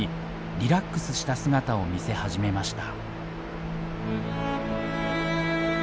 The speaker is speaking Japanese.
リラックスした姿を見せ始めました。